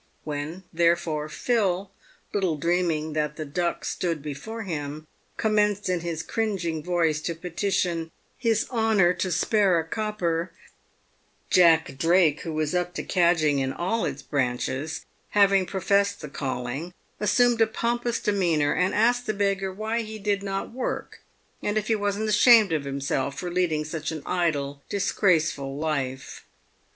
"When, therefore, Phil — little dreaming that the Duck stood before him — commenced in his cringing voice to petition " his PAVED WITH GOLD. 341 honour to spare a copper," Jack Drake, who was up to cadging in all its branches, having professed the calling, assumed a pompous demeanour, and asked the beggar why he did not work, and if he wasn't ashamed of himself for leading such an idle, disgraceful life.